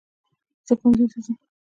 زہ ښوونځي ته ځم